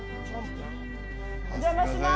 お邪魔します。